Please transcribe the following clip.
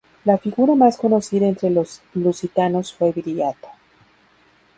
La figura más conocida entre los lusitanos fue Viriato.